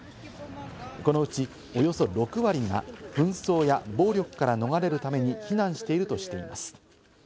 このうちおよそ６割が紛争や暴力から逃れるために避難しているとしています。